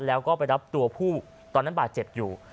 แล้วก็ไปรับตัวผู้ตอนนั้นบาดเจ็บอยู่